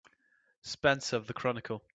Spencer of the Chronicle.